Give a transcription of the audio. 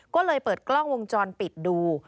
ก็เลยเปิดกล้องวงจรปิดดู